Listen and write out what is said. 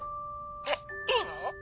えっいいの？